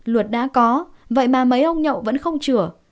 luật đã có vậy mà mấy ông nhậu vẫn không sửa